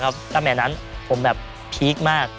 ตั้งแต่ตอนนั้นผมแบบพีคมาก